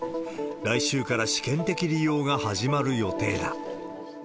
来週から試験的利用が始まる予定だ。